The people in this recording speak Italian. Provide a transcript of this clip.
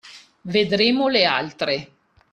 Vedremo le altre.